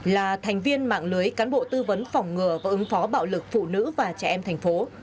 là thành viên mạng lưới cán bộ tư vấn phỏng ngừa và ứng phó bạo lực phụ nữ và trẻ em thành phố